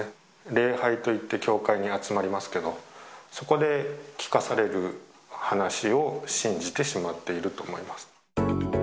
礼拝と言って、教会に集まりますけど、そこで聞かされる話を信じてしまっていると思います。